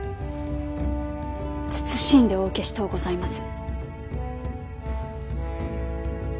謹んでお受けしとうございます。